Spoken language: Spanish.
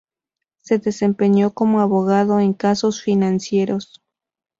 Se desempeñó como abogado en casos financieros.